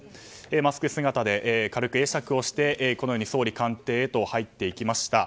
マスク姿で軽く会釈をして総理官邸へと入っていきました。